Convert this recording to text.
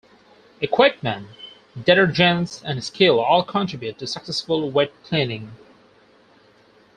Equipment, detergents and skill all contribute to successful wet cleaning.